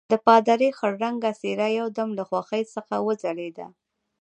د پادري خړ رنګه څېره یو دم له خوښۍ څخه وځلېدله.